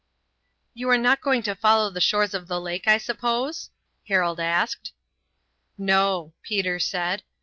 "You are not going to follow the shores of the lake, I suppose?" Harold asked. "No," Peter said.